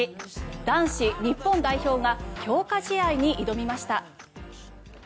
男子日本代表が強化試合に挑みました。